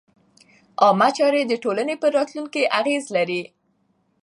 عامه چارې د ټولنې پر راتلونکي اغېز لري.